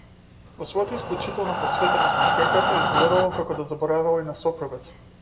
Во својата исклучителна посветеност на ќерката изгледало како да заборавила и на сопругот.